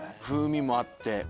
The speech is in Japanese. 風味もあって。